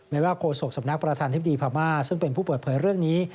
ไม่ว่าโฆษกสำนักประธานธิบดีพม่าซึ่งเป็นผู้เปิดเผยเรื่องนี้